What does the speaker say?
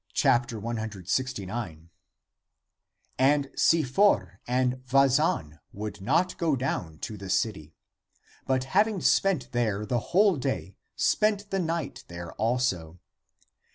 And Si for and Vazan would not go down to the city, but, having spent there the whole day, spent the night there also.